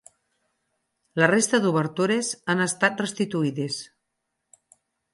La resta d'obertures han estat restituïdes.